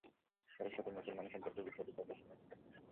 তার সাথে মুসলমানদের সম্পর্কের বিষয়টি তাদের বিমোহিত করল।